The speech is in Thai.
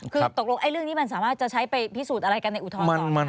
คือตกลงเรื่องนี้มันสามารถจะใช้ไปพิสูจน์อะไรกันในอุทธรณ์ต่อไหมคะ